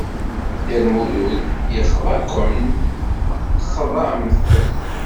Dda Lmulud yexḍa-ken, texḍam-t.